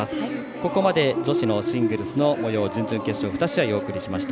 ここまで女子のシングルスのもよう準々決勝２試合お送りしました。